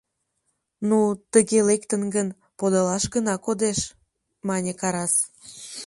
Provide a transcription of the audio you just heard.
— Ну, тыге лектын гын, подылаш гына кодеш, — мане Карас.